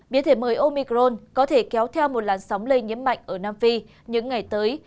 biến thể mời omicrone có thể kéo theo một làn sóng lây nhiễm mạnh ở nam phi những ngày tới